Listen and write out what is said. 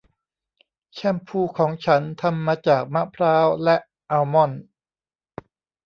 แชมพูของฉันทำมาจากมะพร้าวและอัลมอนด์